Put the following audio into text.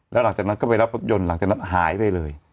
แล้วหลังจากนั้นก็ไปรับรถยนต์หายไปเลย